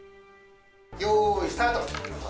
よいスタート。